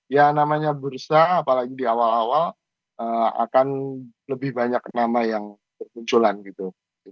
ya namanya bursa apalagi di awal awal akan lebih banyak nama yang bermunculan gitu